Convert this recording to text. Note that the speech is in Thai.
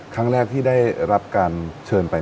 ครั้งแรกที่ได้รับการเชิญไป